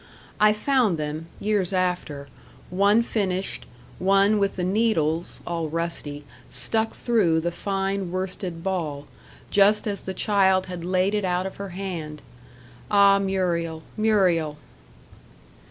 I found them, years after one finished, one with the needles (all rusty) stuck through the fine worsted ball, just as the child had laid it out of her hand. Ah, Muriel, Muriel!